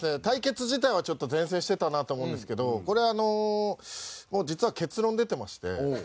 対決自体は善戦してたなと思うんですけどこれはあのもう実は結論出てまして。